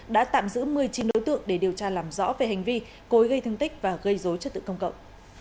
đã tạm giữ một mươi chín đối tượng để điều tra làm rõ về hành vi cối gây thương tích và gây dối trật tự công cộng